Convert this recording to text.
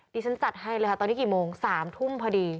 เดี๋ยวฉันสัดให้เลยตอนนี้กี่โมง๓ทุ่มพอดี